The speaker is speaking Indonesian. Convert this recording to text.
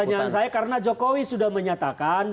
pertanyaan saya karena jokowi sudah menyatakan